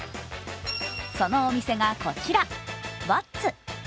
そのお店がこちら、ワッツ。